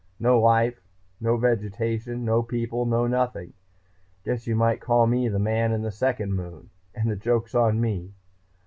No life, no vegetation, no people, no nothing. Guess you might call me the Man in the Second Moon and the joke's on me!